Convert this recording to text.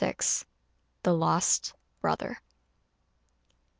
XXVI. THE LOST BROTHER.